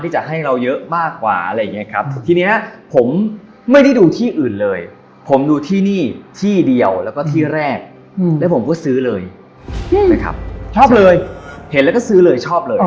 ชอบเลยเหลือก็ซื้อเลยชอบเลย